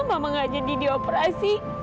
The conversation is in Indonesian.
mama gak jadi dioperasi